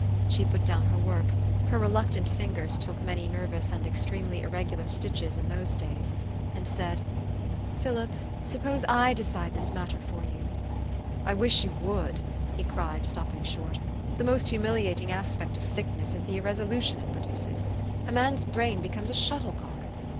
she put down her work (her reluctant fingers took many nervous and extremely irregular stitches in those days), and said, " Philip, suppose /decide this matter for you? "" I wish you would! " he cried, stopping short. "The most humiliating aspect of sickness is the irresolution it produces. A man's brain becomes a shuttlecock.